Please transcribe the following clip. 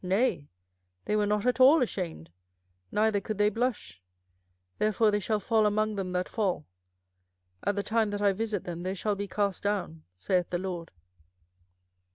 nay, they were not at all ashamed, neither could they blush: therefore they shall fall among them that fall: at the time that I visit them they shall be cast down, saith the LORD.